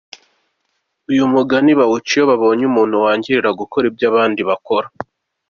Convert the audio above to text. Uyu mugani bawuca iyo babonye umuntu wangirira gukora ibyo abandi bashobora.